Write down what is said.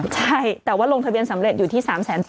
ใช่แต่ว่าลงทะเบียนสำเร็จอยู่ที่๓๘๐๐